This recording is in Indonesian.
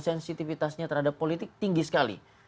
sensitivitasnya terhadap politik tinggi sekali